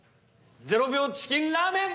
０秒チキンラーメン！